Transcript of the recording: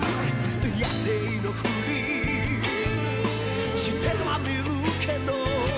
「野生のフリしてはみるけど」